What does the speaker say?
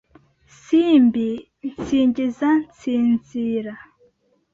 Simbi nsingiza nsinzira